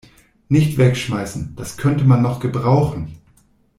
Nicht wegschmeißen, das könnte man noch gebrauchen!